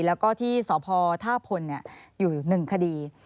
แล้วก็ที่สพท่าพลอยู่๑คดี